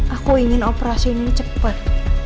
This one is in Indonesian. aku ingin operasi ini cepat